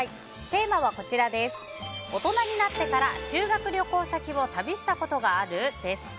テーマは大人になってから修学旅行先を旅したことがある？です。